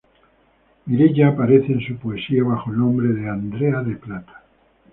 Mireya, aparece en su poesía bajo el nombre de "Andrea de Plata".